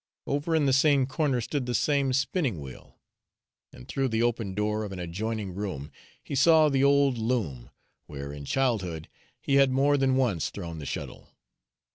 Over in the same corner stood the same spinning wheel, and through the open door of an adjoining room he saw the old loom, where in childhood he had more than once thrown the shuttle.